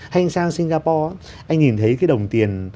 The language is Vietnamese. anh sang singapore anh nhìn thấy cái đồng tiền